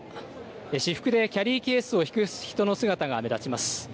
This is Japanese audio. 私服でキャリーケースを引く人の姿が目立ちます。